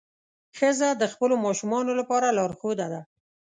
ښځه د خپلو ماشومانو لپاره لارښوده ده.